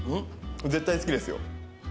絶対好きですよ。